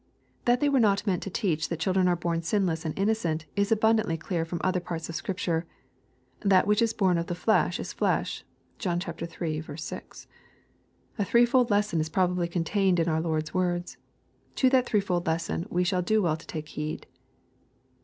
That they were not meant to teach that chil dren are born sinless and innocent, is abundantly clear from other parts of Scripture. " That which is bom of the flesh is flesh.'' (John iii. 6.) A threefold lesson is probably contained in our Lord's words. To that three fold lesson we shall do well to take heed.